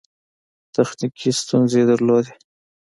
تخنیکي ستونزې یې درلودې.